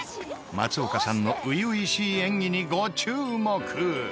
松岡さんの初々しい演技にご注目！